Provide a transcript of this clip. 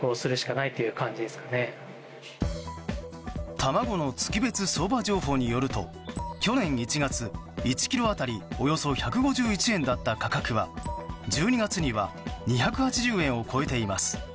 卵の月別相場情報によると去年１月、１ｋｇ当たりおよそ１５１円だった価格は１２月には２８０円を超えています。